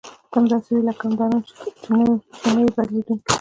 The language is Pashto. ته همداسې وې لکه همدا نن چې یې نه بدلېدونکې.